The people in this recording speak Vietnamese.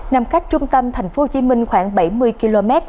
nằm cách trung tâm thành phố hồ chí minh khoảng bảy mươi km